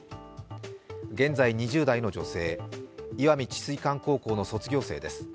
現在２０代の女性、石見智翠館高校の卒業生です。